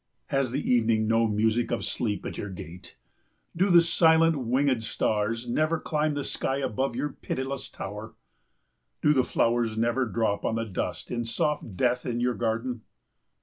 Has the evening no music of sleep at your gate? Do the silent winged stars never climb the sky above your pitiless tower? Do the flowers never drop on the dust in soft death in your garden?